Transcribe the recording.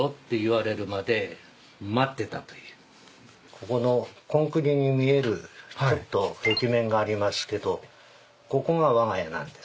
ここのコンクリに見えるちょっと壁面がありますけどここがわが家なんです。